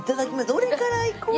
どれからいこうかな？